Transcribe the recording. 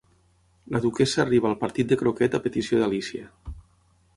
La duquessa arriba al partit de croquet a petició d'Alícia.